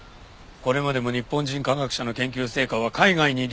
これまでも日本人科学者の研究成果は海外に流出している。